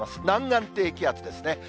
南岸低気圧ですね。